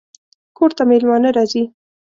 کور ته مېلمانه راځي